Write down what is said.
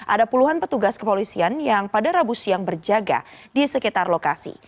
ada puluhan petugas kepolisian yang pada rabu siang berjaga di sekitar lokasi